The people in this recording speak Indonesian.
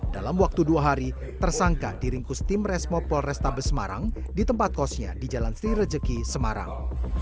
dalam waktu dua hari tersangka diringkus tim resmo polrestabes semarang di tempat kosnya di jalan sri rejeki semarang